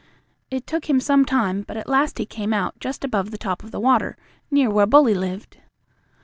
It took him some time, but at last he came out just above the top of the water, near where Bully lived.